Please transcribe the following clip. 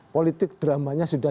politik dramanya sudah